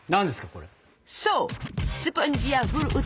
これ。